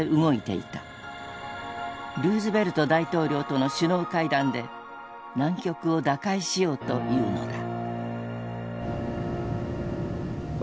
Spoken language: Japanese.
ルーズベルト大統領との首脳会談で難局を打開しようというのだ。